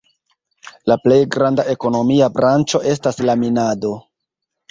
La plej granda ekonomia branĉo estas la minado.